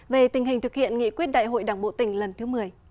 về tình hình thực hiện nghị quyết đại hội đảng bộ tỉnh lần thứ một mươi